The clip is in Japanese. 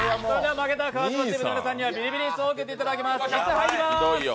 負けた川島チームの皆さんにはビリビリ椅子を受けてもらいます。